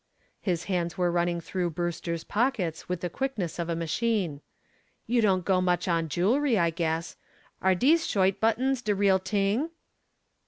His hands were running through Brewster's pockets with the quickness of a machine. "You don't go much on jewelry, I guess. Are dese shoit buttons de real t'ing?"